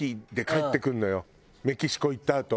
メキシコ行ったあと。